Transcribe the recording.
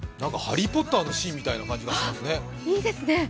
ハリー・ポッターのシーンみたいな感じですね。